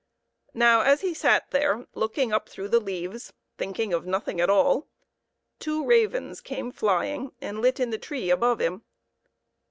Now, as he sat there, looking up through the leaves, thinking of nothing at all, two ravens came flying and lit in the tree above him.